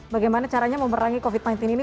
bagaimana caranya memerangi covid sembilan belas ini